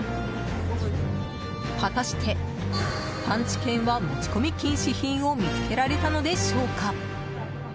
果たして探知犬は持ち込み禁止品を見つけられたのでしょうか。